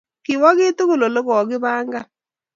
Kiwo kiy tugul olegogipangan